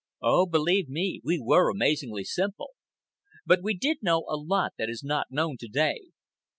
Oh, believe me, we were amazingly simple. But we did know a lot that is not known to day.